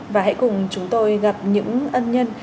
và hãy cùng chúng tôi gặp những ân nhân